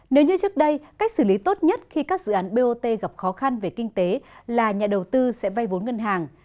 nếu như trước đây cách xử lý tốt nhất khi các dự án bot gặp khó khăn về kinh tế là nhà đầu tư sẽ vay vốn ngân hàng